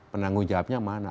penanggung jawabnya mana